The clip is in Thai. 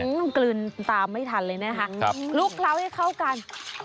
มันกลืนตามไม่ทันเลยนะคะคลุกเคล้าให้เข้ากัน